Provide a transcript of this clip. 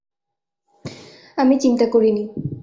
আমি চিন্তা করি নি।